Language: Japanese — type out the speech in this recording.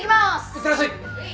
いってらっしゃい！